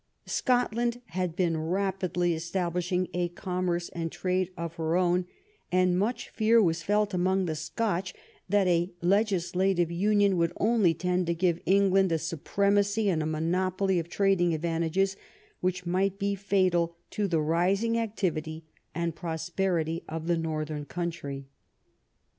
Scotland had been rapidly establishing a commerce and trade of her own, and much fear was felt among the Scotch that a legislative union would only tend to give England a supremacy and a monopoly of trading advantages which might be fatal to the rising activity and prosperity of the northern country.